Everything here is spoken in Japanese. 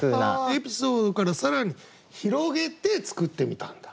エピソードから更に広げて作ってみたんだ。